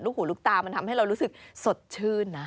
หูลูกตามันทำให้เรารู้สึกสดชื่นนะ